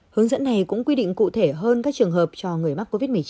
hướng dẫn này cũng quy định cụ thể hơn các trường hợp cho người mắc covid một mươi chín